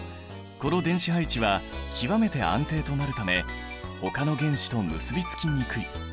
この電子配置は極めて安定となるためほかの原子と結びつきにくい。